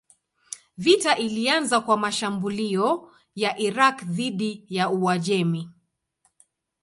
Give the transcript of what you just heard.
Vita ilianza kwa mashambulio ya Irak dhidi ya Uajemi.